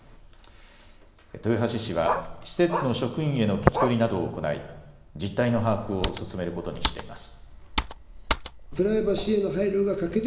豊橋市は施設の職員への聞き取りなどを行い実態の把握を進めることにしています。